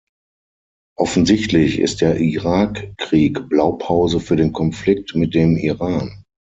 Offensichtlich ist der Irakkrieg Blaupause für den Konflikt mit dem Iran.